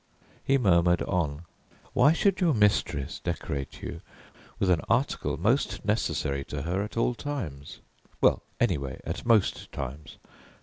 He murmured on: "Why should your mistress decorate you with an article most necessary to her at all times? Anyway, at most times.